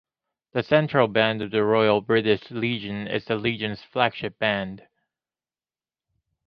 The Central Band of the Royal British Legion is the Legion's flagship band.